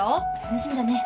楽しみだね。